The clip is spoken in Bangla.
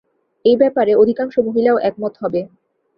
এই ব্যাপারে অধিকাংশ মহিলাও একমত হবে।